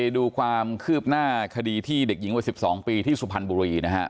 ดูความคืบหน้าคดีที่เด็กหญิงวัย๑๒ปีที่สุพรรณบุรีนะฮะ